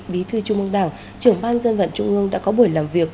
bí thư trung ương đảng trưởng ban dân vận trung ương đã có buổi làm việc